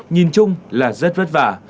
nhìn chung là rất vất vả